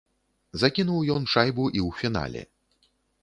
Закінуў ён шайбу і ў фінале.